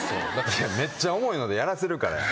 めっちゃ重いのでやらせるからや。